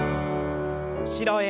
後ろへ。